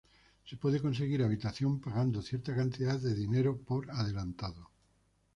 Se puede conseguir habitación pagando cierta cantidad de dinero por adelantado.